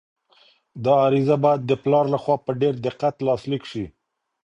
دا عریضه باید د پلار لخوا په ډېر دقت لاسلیک شي.